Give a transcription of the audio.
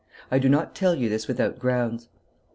I do not tell you this without grounds."